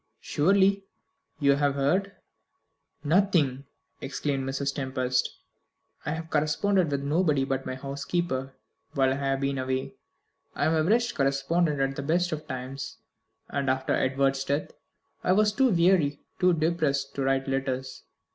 "Surely you have heard " "Nothing," exclaimed Mrs. Tempest. "I have corresponded with nobody but my housekeeper while I have been away. I am a wretched correspondent at the best of times, and, after dear Edward's death, I was too weary, too depressed, to write letters.